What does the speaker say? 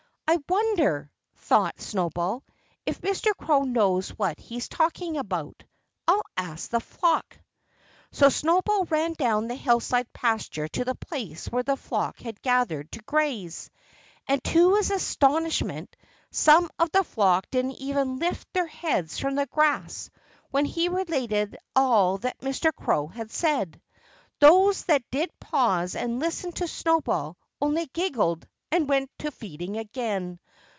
"I wonder," thought Snowball, "if Mr. Crow knows what he's talking about. I'll ask the flock!" So Snowball ran down the hillside pasture to the place where the flock had gathered to graze. And to his astonishment some of the flock didn't even lift their heads from the grass when he related all that Mr. Crow had said. Those that did pause and listen to Snowball only giggled and went to feeding again.